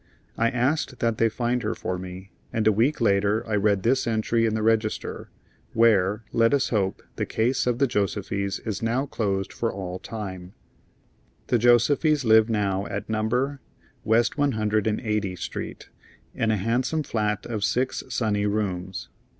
I asked that they find her for me, and a week later I read this entry in the register, where, let us hope, the case of the Josefys is now closed for all time: "The Josefys live now at No. West One Hundred and Eighty st Street in a handsome flat of six sunny rooms.